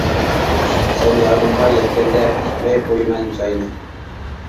سەن يادىمغا يەتكەندە، ئىچمەي قويىمەن چاينى.